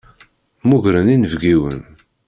Mmugren inebgiwen.